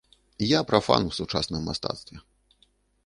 Я прафан у сучасным мастацтве.